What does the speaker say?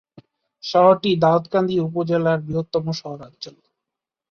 শহরটি দাউদকান্দি উপজেলার বৃহত্তম শহরাঞ্চল।